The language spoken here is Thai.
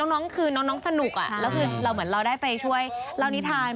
น้องคือน้องสนุกแล้วคือเราเหมือนเราได้ไปช่วยเล่านิทาน